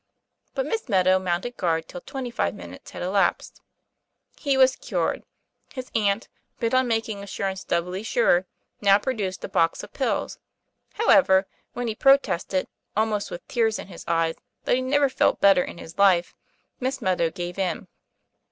But Miss Meadow mounted guard till twenty five minutes had elapsed. He was cured. His aunt, bent on making assur ance doubly sure, now produced a box of pills; however, when he protested, almost with tears in his eyes, that he never felt better in his life, Miss Meadow gave in.